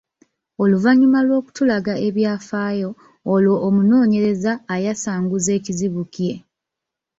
Oluvannyuma lw’okutulaga ebyafaayo, olwo omunoonyereza ayasanguza ekizibu kye.